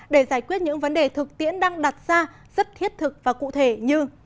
để giải quyết những vấn đề thực tiễn đang đặt ra rất thiết thực và cụ thể như